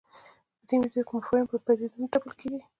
په دې میتود کې مفاهیم پر پدیدو نه تپل کېږي.